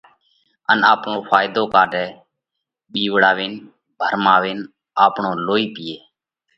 ان آپرو ڦائيۮو ڪاڍئه؟ ٻِيوَڙاوينَ، ڀرماوينَ آپڻو لوئِي پِيئه؟